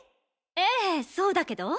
ええそうだけど。